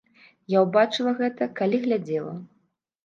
Я ўбачыла гэта, калі глядзела.